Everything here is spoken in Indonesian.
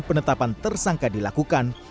penetapan tersangka dilakukan